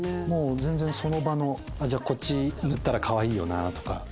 もう全然その場のこっち塗ったらかわいいよなとか。